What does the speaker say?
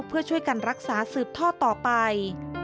เพื่อช่วยกันรักษาสืบท่อต่อไป